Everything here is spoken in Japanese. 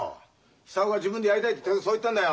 久男が自分でやりたいってそう言ったんだよ。